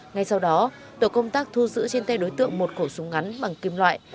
ngay sau đó tổ công tác thu giữ trên tay đối tượng một khẩu súng ngắn bằng kim loại